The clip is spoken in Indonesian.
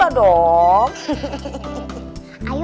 aku udah gak sabar